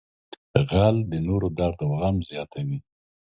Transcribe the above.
غل د نورو درد او غم زیاتوي